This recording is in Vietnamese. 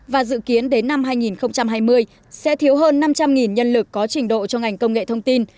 và dự kiến đến năm hai nghìn hai mươi sẽ thiếu hơn năm trăm linh nhân lực có trình độ cho ngành công nghệ thông tin